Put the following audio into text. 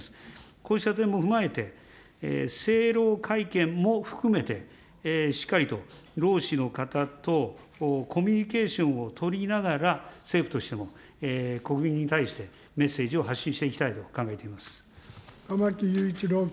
こうした点も踏まえて、政労会見も含めて、しっかりと労使の方とコミュニケーションを取りながら、政府としても国民に対してメッセージを発信していきたいと考えて玉木雄一郎君。